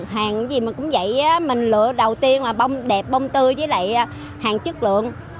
hàng gì mà cũng vậy mình lựa đầu tiên là bông đẹp bông tươi với lại hàng chất lượng